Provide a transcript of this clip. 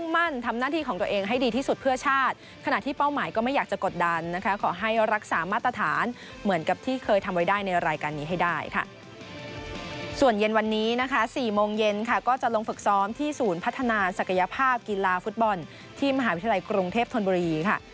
ส่วนเย็นวันนี้นะคะ๔โมงเย็นค่ะก็จะลงฝึกซ้อมที่ศูนย์พัฒนาศักยภาพกีฬาฟุตบอลที่มหาวิทยาลัยกรุงเทพธนบุรีค่ะ